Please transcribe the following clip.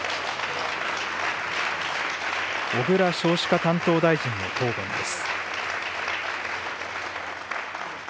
小倉少子化担当大臣の答弁です。